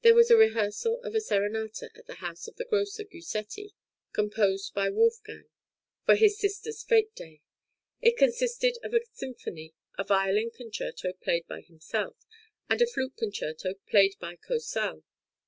} (154) rehearsal of a serenata at the house of the grocer Gusetti, composed by Wolfgang for his sister's fête day; it consisted of a symphony, a violin concerto played by himself, and a flute concerto played by Cosel.